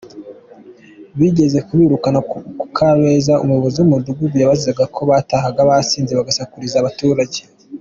Bigeze kubirukana ku Kabeza, Umuyobozi w’Umudugudu yabazizaga ko batahaga basinze bagasakuriza abaturage.